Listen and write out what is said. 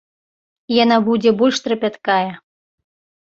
Яна будзе больш трапяткая.